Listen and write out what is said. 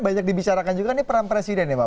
banyak dibicarakan juga ini perang presiden ya